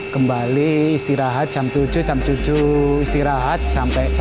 kembali istirahat jam tujuh jam tujuh istirahat sampai jam